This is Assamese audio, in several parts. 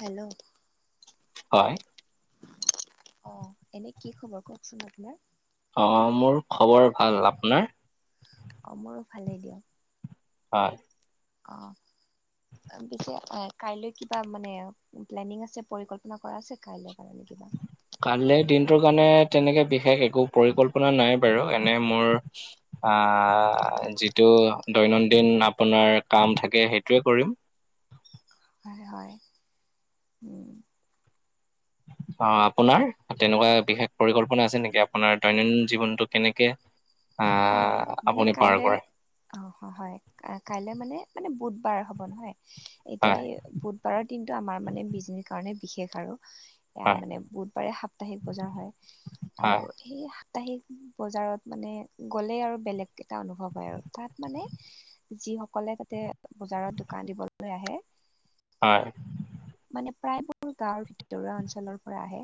হেল্ল' হয় অ এনে কি খবৰ কওকচোন আপোনাৰ অ মোৰ খবৰ ভাল আপোনাৰ অ মোৰো ভালে দিয়ক হয় অ পিছে কাইলৈ কিবা মানে প্লেনিং আছে পৰিকল্পনা কৰা আছে কাইলৈ কাৰণে কিবা কালিৰ দিনটোৰ কাৰণে তেনেকে বিশেষ একো পৰিকল্পনা নাই বাৰু এনে মোৰ আহ যিটো দৈনন্দিন আপোনাৰ কাম থাকে সেইটোয়ে কৰিম হয় হয় উম অ আপোনাৰ তেনেকুৱা বিশেষ পৰিকল্পনা আছে নেকি আপোনাৰ দৈনন্দিন জীৱনতটো কেনেকে অ আহ, মানে আপুনি পাৰ কাইলৈ কৰে? অ হয় কাইলৈ মানে মানে বুধবাৰ হ'ব নহয় এতিয়া হয়, সেই বুধবাৰৰ দিনটো আমাৰ মানে বিজনীৰ কাৰণে বিশেষ আৰু এয়া হয়, মানে বুধবাৰে সাপ্তাহিক বজাৰ হয় হয়, আৰু সেই সাপ্তাহিক বজাৰত মানে গ'লে আৰু বেলেগ কেইটা অনুভৱ হয় আৰু তাত মানে যি সকলে তাতে বজাৰত দোকান দিবলৈ আহে হয়। মানে প্ৰায়বোৰ গাঁৱৰ ভিতৰুৱা অঞ্চলৰ পৰা আহে।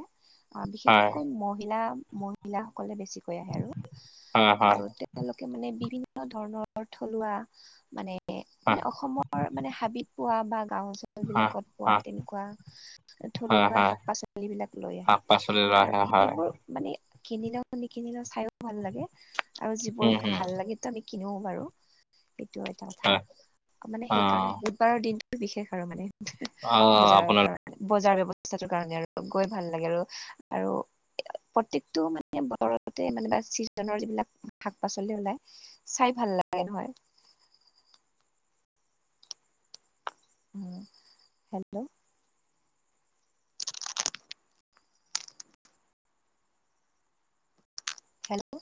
অ হয়, বিশেষকৈ মহিলা মহিলাাসকলে বেছিকৈ আহে ন হয়, হয়, আৰু তেওঁলোকে মানে বিভিন্ন ধৰণৰ থলুৱা মানে হয়, মানে অসমৰ মানে হাবিত পোৱা বা গাও অঞ্চল হয়। বিলাকত হয়, তেনেকুৱ হয়, থলুৱা হয়, শাক পাচলি বিলাক লৈ আহে শাক-পাচলি লোৱা হয়, আৰু হয়, সেইবোৰ মানে কিনিলেও নিকিনিলেও চাইও ভাল লাগে আৰু উম, যিবোৰ উম, ভাল লাগে আমি কিনো বাৰু সেইটোও এটা কথা হয়, মানে সেইকাৰণে অ', বুদ কৰৰ দিনটো বিশেষ আৰু মানে অ', বজাৰৰ আপোনাৰ কাৰণে। বজাৰ ব্যৱস্থাটোৰ কাৰণে আৰু গৈ ভাল লাগে আৰু আৰু প্ৰতেয়েকটো মানে বাৰতে মানে চিজনৰ যিবিলাক শাক পাচলি ওলায়। চাই ভাল লাগে নহয়। অ হেল্ল' হেল্ল'